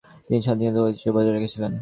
তিনি শান্তিনিকেতনের ঐতিহ্য বজায় রেখেছিলেন।